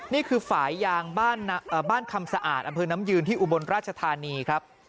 นี่คือฝ่ายยางบ้านคำสะอาดอำเภอน้ำยืนที่อุบลราชธานีครับ